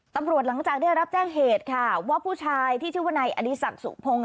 หลังจากได้รับแจ้งเหตุค่ะว่าผู้ชายที่ชื่อว่านายอดีศักดิ์สุพงศ